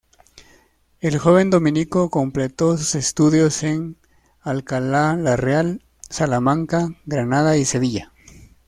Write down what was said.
El joven dominico completó sus estudios en Alcalá la Real, Salamanca, Granada y Sevilla.